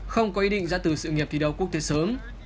không có ý định ra từ sự nghiệp thi đấu quốc tế sớm